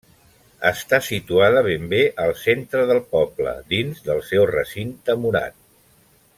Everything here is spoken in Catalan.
Està situada ben bé al centre del poble, dins del seu recinte murat.